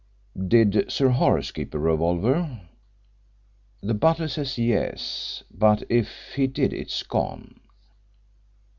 "Did Sir Horace keep a revolver?" "The butler says yes. But if he did it's gone."